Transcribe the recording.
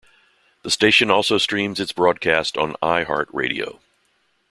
The station also streams its broadcast on iHeartRadio.